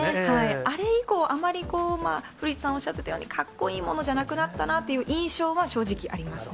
あれ以降、あんまり古市さんおっしゃっていたように、かっこいいものじゃなくなったなという印象は正直ありますね。